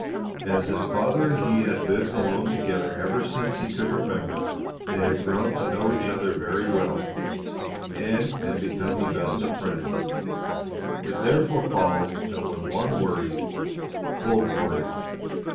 As his father and he had lived alone together ever since he could remember they had grown to know each other very well, and had become the best of friends. It therefore followed that when one worried, both worried.